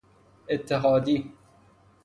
اتحادی